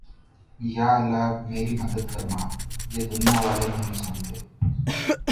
یا اللہ میری مدد فرمایہ دنیا والے نہیں سنتے